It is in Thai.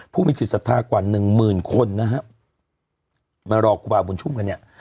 ผู้มีจิตภาคกว่า๑หมื่นคนนะครับมารอครูบาวบุญชุมกันเนี่ย